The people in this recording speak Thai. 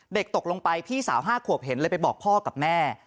ตกลงไปพี่สาว๕ขวบเห็นเลยไปบอกพ่อกับแม่